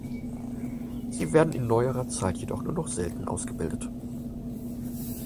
Sie werden in neuerer Zeit jedoch nur noch selten ausgebildet.